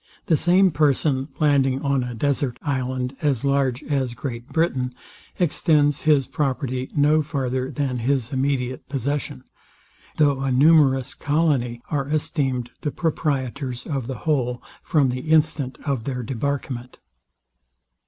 The same person landing on a desart island, as large as Great Britain, extends his property no farther than his immediate possession; though a numerous colony are esteemed the proprietors of the whole from the instant of their debarkment.